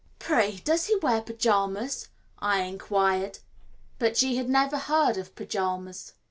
"Pray, does he wear pyjamas?" I inquired. But she had never heard of pyjamas.